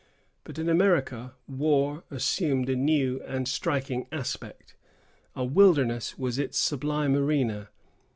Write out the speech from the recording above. But in America, war assumed a new and striking aspect. A wilderness was its sublime arena.